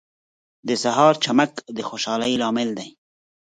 • د سهار چمک د خوشحالۍ لامل دی.